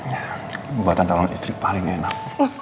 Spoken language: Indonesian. ya buatan tangan istri paling enak